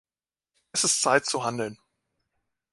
Es ist Zeit zu handeln.